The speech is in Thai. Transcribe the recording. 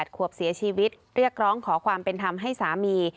ขวบเสียชีวิตเรียกร้องขอความเป็นธรรมให้สามี